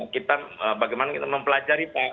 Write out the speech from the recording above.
kita bagaimana kita mempelajari